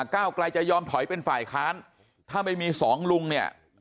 ก้าวไกลจะยอมถอยเป็นฝ่ายค้านถ้าไม่มีสองลุงเนี่ย